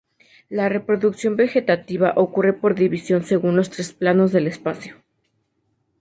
La reproducción vegetativa ocurre por división según los tres planos del espacio.